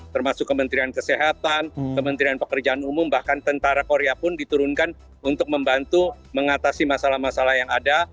termasuk kementerian kesehatan kementerian pekerjaan umum bahkan tentara korea pun diturunkan untuk membantu mengatasi masalah masalah yang ada